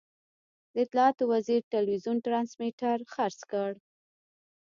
د اطلاعاتو وزیر ټلوېزیون ټرانسمیټر خرڅ کړ.